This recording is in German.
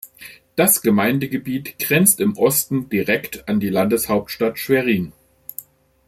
Das Gemeindegebiet grenzt im Osten direkt an die Landeshauptstadt Schwerin.